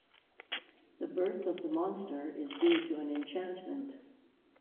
The birth of the monster is due to an enchantment.